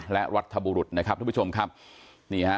และรัฐบุรุษนะครับทุกผู้ชมครับนี่ฮะ